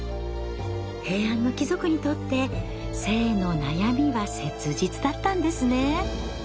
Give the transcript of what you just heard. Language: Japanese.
平安の貴族にとって性の悩みは切実だったんですね。